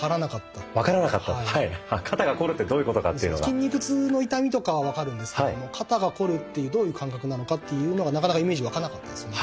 筋肉痛の痛みとかは分かるんですけども肩がこるってどういう感覚なのかっていうのがなかなかイメージ湧かなかったですね。